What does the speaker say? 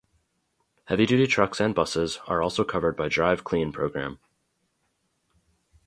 Heavy duty trucks and buses are also covered by Drive Clean program.